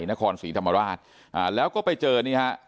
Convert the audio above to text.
อันนี้รถไฟนครศรีธรรมดาแล้วก็ไปเจออันนี้ฮะ